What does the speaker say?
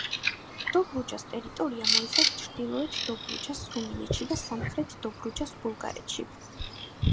დობრუჯას ტერიტორია მოიცავს ჩრდილოეთ დობრუჯას რუმინეთში და სამხრეთ დობრუჯას ბულგარეთში.